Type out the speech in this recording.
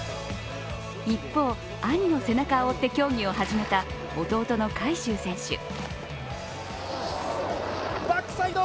一方、兄の背中を追って競技を始めた弟の海祝選手。